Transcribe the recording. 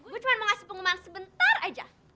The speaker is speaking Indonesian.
gue cuma mau ngasih pengumuman sebentar aja